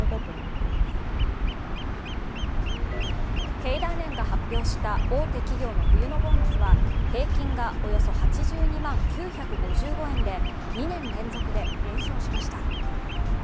経団連が発表した大手企業の冬のボーナスは平均がおよそ８２万９５５円で２年連続で減少しました。